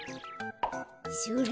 それ。